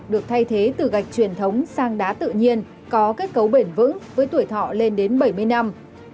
được thay thế từ gạch truyền thống sang đá tự nhiên có kết cấu bền vững với tuổi thọ lên đến bảy mươi năm